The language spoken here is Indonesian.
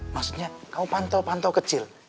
maksudnya kau pantau pantau kecil